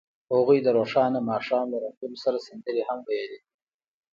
هغوی د روښانه ماښام له رنګونو سره سندرې هم ویلې.